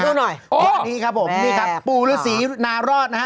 แค่นี้ครับผมนี่ครับปู่ฤษีนารอดนะฮะ